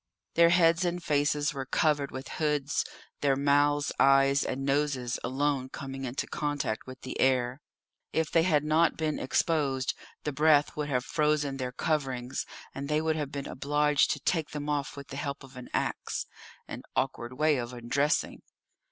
Their heads and faces were covered with hoods, their mouths, eyes, and noses alone coming into contact with the air. If they had not been exposed the breath would have frozen their coverings, and they would have been obliged to take them off with the help of an axe an awkward way of undressing.